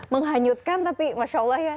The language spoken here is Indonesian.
menghanyutkan tapi masya allah ya